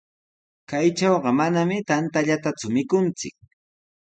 Kaytrawqa manami tantallataku mikunchik.